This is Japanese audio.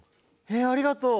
えっありがとう！